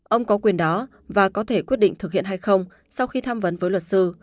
ông có quyền đó và có thể quyết định thực hiện hay không sau khi tham vấn với luật sư